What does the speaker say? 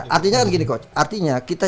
artinya kan gini coach artinya kita